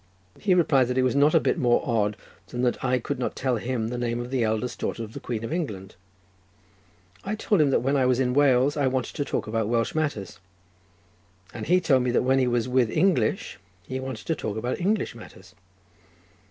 He replied that it was not a bit more odd than that I could not tell him the name of the eldest daughter of the Queen of England; I told him that when I was in Wales I wanted to talk about Welsh matters, and he told me that when he was with English he wanted to talk about English matters.